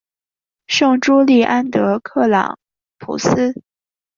圣朱利安德克朗普斯。